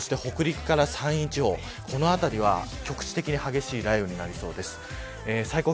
そして北陸から山陰地方この辺りは局地的な激しい雷雨になりそうです。